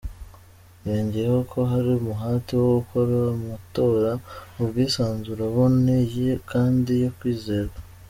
Yongeyeho ko hari "umuhate wo gukora amatora mu bwisanzure, aboneye kandi yo kwizerwa".